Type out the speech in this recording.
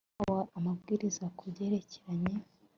Nahawe amabwiriza ku byerekeranye